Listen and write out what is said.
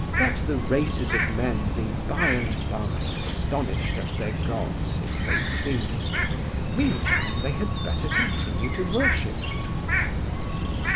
Let the races of men be by and by astonished at their Gods, if they please. Meantime they had better continue to worship.